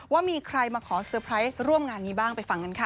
ว่ามีใครมาขอเซอร์ไพรส์ร่วมงานนี้บ้างไปฟังกันค่ะ